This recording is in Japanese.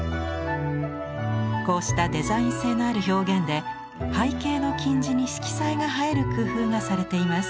こうしたデザイン性のある表現で背景の金地に色彩が映える工夫がされています。